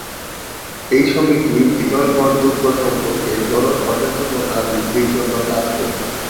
এই সমিতি ভিতরগড় দুর্গ সম্পর্কে জনসচেতনতা বৃদ্ধির জন্য কাজ করছে।